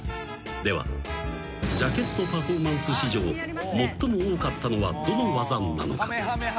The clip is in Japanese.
［ではジャケットパフォーマンス史上最も多かったのはどの技なのか？］